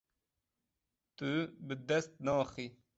Tu bi dest naxî.